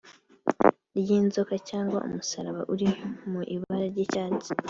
by’inzoka cyangwa umusaraba uri mu ibara ry’icyatsi